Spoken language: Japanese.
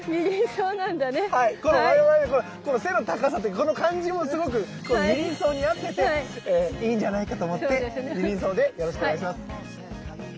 我々背の高さとかこの感じもすごくニリンソウに合ってていいんじゃないかと思ってニリンソウでよろしくお願いします。